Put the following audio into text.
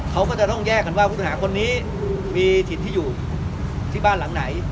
เขาก็จะต้องแยกกันว่าผู้ต้องหาคนนี้มีถิ่นที่อยู่ที่บ้านหลังไหน